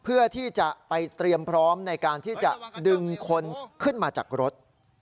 เพื่อที่จะไปเตรียมพร้อมในการที่จะดึงคนขึ้นมาจากรถ